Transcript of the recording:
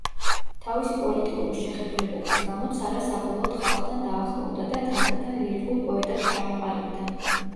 თავისი პოლიტიკური შეხედულებების გამო ცარა საბოლოოდ ხალხთან დაახლოვდა და თანდათან ლირიკულ პოეტად ჩამოყალიბდა.